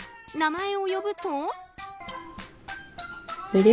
名前を呼ぶと。